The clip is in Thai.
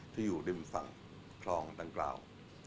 ที่อยู่ดินฝั่งคลองดังนั้น